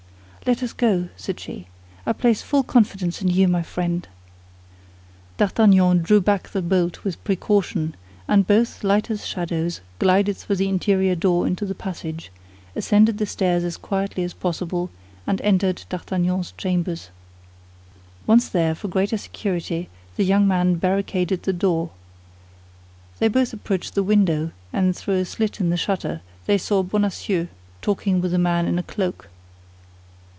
"Let us go," said she, "I place full confidence in you, my friend!" D'Artagnan drew back the bolt with precaution, and both, light as shadows, glided through the interior door into the passage, ascended the stairs as quietly as possible, and entered D'Artagnan's chambers. Once there, for greater security, the young man barricaded the door. They both approached the window, and through a slit in the shutter they saw Bonacieux talking with a man in a cloak.